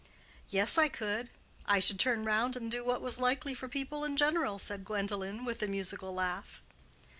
"Yes, I could. I should turn round and do what was likely for people in general," said Gwendolen, with a musical laugh.